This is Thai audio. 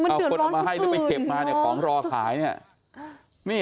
เอาคนเอามาให้หรือไปเก็บมาเนี่ยของรอขายเนี่ย